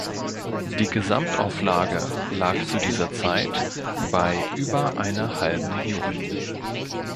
Die Gesamtauflage lag zu dieser Zeit bei über einer halben Million.